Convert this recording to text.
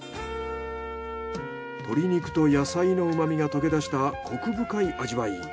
鶏肉と野菜の旨みが溶け出したコク深い味わい。